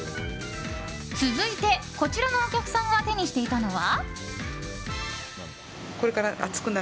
続いて、こちらのお客さんが手にしていたのは。